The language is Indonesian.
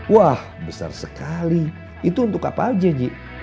wah besar sekali itu untuk apa aja ji